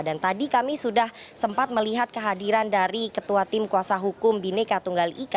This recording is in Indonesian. dan tadi kami sudah sempat melihat kehadiran dari ketua tim kuasa hukum bineka tunggal ika